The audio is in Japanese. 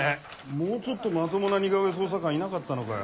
もうちょっとまともな似顔絵捜査官いなかったのかよ。